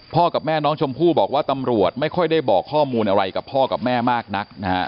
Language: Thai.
กับแม่น้องชมพู่บอกว่าตำรวจไม่ค่อยได้บอกข้อมูลอะไรกับพ่อกับแม่มากนักนะฮะ